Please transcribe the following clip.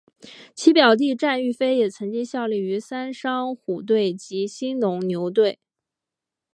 其表弟战玉飞也曾经效力过三商虎队及兴农牛队。